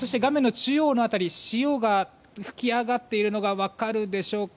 中央の辺り潮が吹き上がっているのが分かるでしょうか。